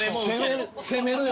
攻めるよ。